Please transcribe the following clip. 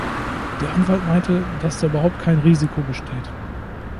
Der Anwalt meinte, dass da überhaupt kein Risiko besteht.